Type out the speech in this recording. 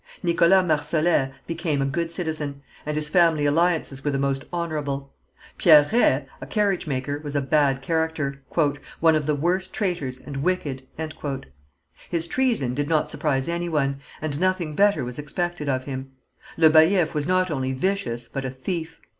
Nicholas Marsolet became a good citizen, and his family alliances were the most honourable. Pierre Reye, a carriage maker, was a bad character, "One of the worst traitors, and wicked." His treason did not surprise any one, and nothing better was expected of him. Le Baillif was not only vicious, but a thief.